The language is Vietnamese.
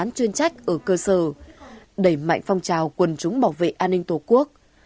bán chuyên trách ở cơ sở đẩy mạnh phong trào quân chúng bảo vệ an ninh tổ quốc